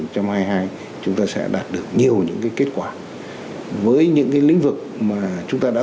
trong năm hai nghìn hai mươi hai chúng ta sẽ đạt được nhiều những cái kết quả với những cái lĩnh vực mà chúng ta đã